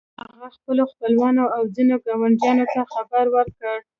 هغه خپلو خپلوانو او ځينو ګاونډيانو ته خبر ورکړ.